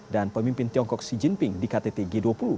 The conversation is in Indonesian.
dan pemimpin tiongkok xi jinping di ktt g dua puluh